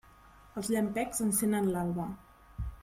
Els llampecs encenen l'alba.